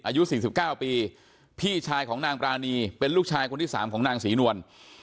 อายุ๔๙ปีพี่ชายของนางปรานีเป็นลูกชายคนที่๓ของนางศรีนวล